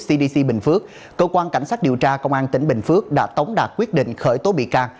cdc bình phước cơ quan cảnh sát điều tra công an tỉnh bình phước đã tống đạt quyết định khởi tố bị can